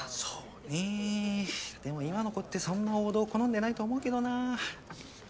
そうねでも今の子ってそんな王道好んでないと思うけどな。